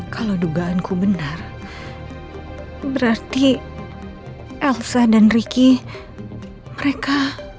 kalau dugaanku benar berarti elsa dan ricky mereka